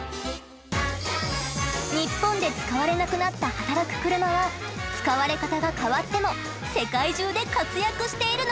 ニッポンで使われなくなった働く車は使われ方が変わっても世界中で活躍しているのである！